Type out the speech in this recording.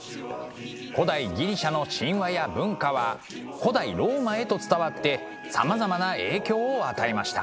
古代ギリシャの神話や文化は古代ローマへと伝わってさまざまな影響を与えました。